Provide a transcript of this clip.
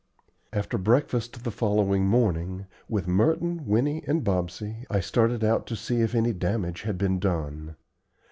After breakfast the following morning, with Merton, Winnie, and Bobsey, I started out to see if any damage had been done.